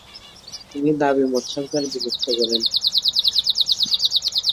তিনি দাবিমত সরকার বিলুপ্ত করেন।